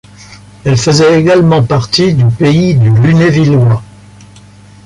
Elle faisait également partie du pays du Lunévillois.